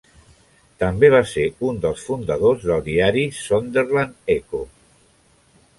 També va ser un dels fundadors del diari "Sunderland Echo".